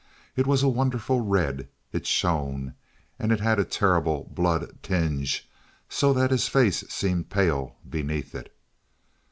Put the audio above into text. It was a wonderful red; it shone, and it had a terrible blood tinge so that his face seemed pale beneath it.